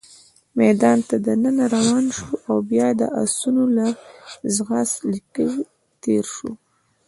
میدان ته دننه روان شوو، او بیا د اسونو له ځغاست لیکې تېر شوو.